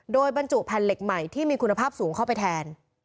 โดยบรรจุแผ่นเหล็กใหม่ที่มีคุณภาพสูงเข้าไปแทน